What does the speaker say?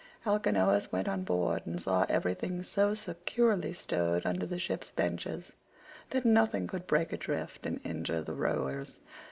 Alcinous went on board and saw everything so securely stowed under the ship's benches that nothing could break adrift and injure the rowers.